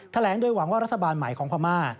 แถลงโดยหวังว่ารัฐบาลใหม่ของพม่า